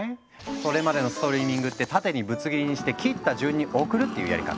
それまでのストリーミングってタテにぶつ切りにして切った順に送るっていうやり方。